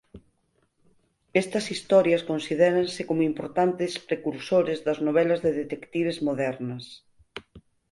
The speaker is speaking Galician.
Estas historias considéranse como importantes precursores das novelas de detectives modernas.